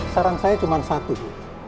saran saya cuma satu